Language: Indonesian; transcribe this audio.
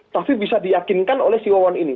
tapi bisa diyakinkan oleh si wawan ini